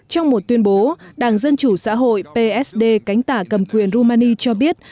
trong một tuyên bố đảng dân chủ xã hội psd cánh tả cầm quyền romani cho biết